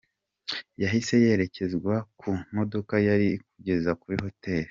Yahise yerekezwa ku modoka yari kumugeza kuri Hotel.